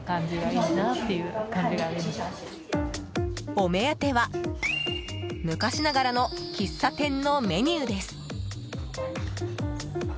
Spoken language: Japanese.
お目当ては昔ながらの喫茶店のメニューです。